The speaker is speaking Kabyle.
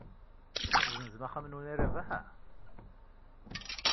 Ad tezzenzem axxam-nwen i Rabaḥ?